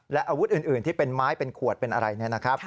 และอาวุธอื่นที่เป็นไม้เป็นขวดเป็นอะไรเนี่ยนะครับ